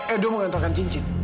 edo mengantarkan cincin